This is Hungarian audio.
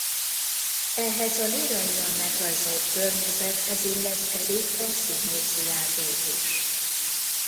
Ehhez a líraian megrajzolt környezethez illeszkedik a színészi játék is.